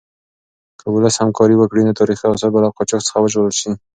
که ولس همکاري وکړي نو تاریخي اثار به له قاچاق څخه وژغورل شي.